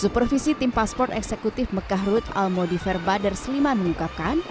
supervisi tim paspor eksekutif mekah route almodifer badr seliman mengungkapkan